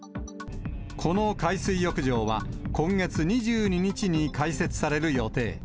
この海水浴場は、今月２２日に開設される予定。